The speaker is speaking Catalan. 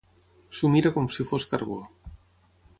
S'ho mira com si fos carbó.